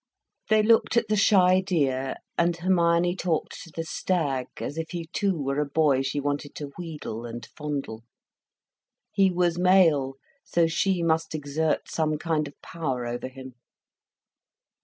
They looked at the shy deer, and Hermione talked to the stag, as if he too were a boy she wanted to wheedle and fondle. He was male, so she must exert some kind of power over him.